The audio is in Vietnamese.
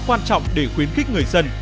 quan trọng để khuyến khích người dân